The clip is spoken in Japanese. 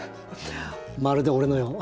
まるで俺のよう。